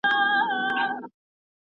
د نظر اختلاف طبیعي خبره ده.